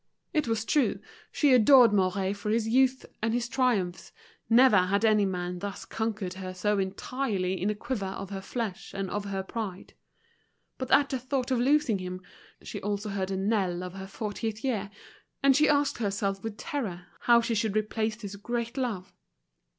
It was true, she adored Mouret for his youth and his triumphs, never had any man thus conquered her so entirely in a quiver of her flesh and of her pride; but at the thought of losing him, she also heard the knell of her fortieth year, and she asked herself with terror how she should replace this great love.